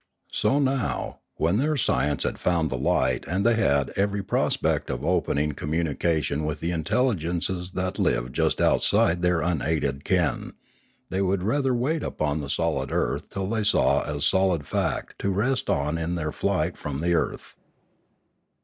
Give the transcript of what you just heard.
A Warning 631 So now, when their science had found the light and they had every prospect of opening communication with the intelligences that lived just outside of their unaided ken, they would rather wait upon the solid earth till they saw as solid fact to rest on in their flight from the earth.